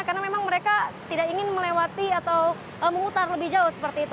karena memang mereka tidak ingin melewati atau memutar lebih jauh seperti itu